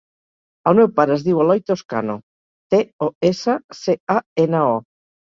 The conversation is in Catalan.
El meu pare es diu Eloy Toscano: te, o, essa, ce, a, ena, o.